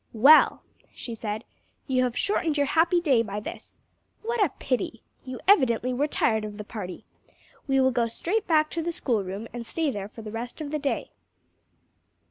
"Well," she said; "you have shortened your happy day by this! What a pity! You evidently were tired of the party. We will go straight back to the school room and stay there for the rest of the day."